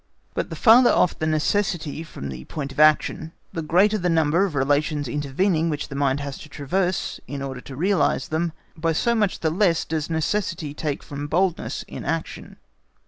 But the farther off the necessity from the point of action, the greater the number of relations intervening which the mind has to traverse; in order to realise them, by so much the less does necessity take from boldness in action.